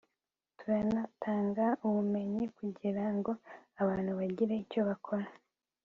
turanatanga ubumenyi kugira ngo abantu bagire icyo bakora